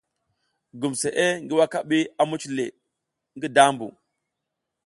Gumsʼe ngi wakabi a muc le ngi dambu.